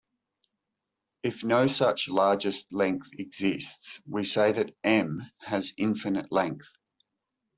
If no such largest length exists, we say that "M" has infinite length.